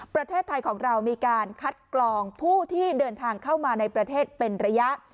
ประเทศไทยของเรามีการคัดกรองผู้ที่เดินทางเข้ามาในประเทศเป็นระยะ